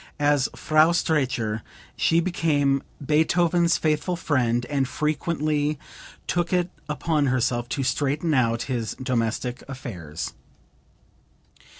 As Frau Streicher she became Beethoven's faithful friend and frequently took it upon herself to straighten out his domestic affairs.)